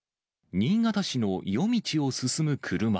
新潟市の夜道を進む車。